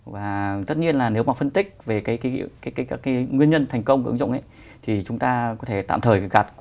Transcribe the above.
và tất nhiên là nếu mà phân tích về cái nguyên nhân thành công của ứng dụng ấy thì chúng ta có thể tạm thời phải gạt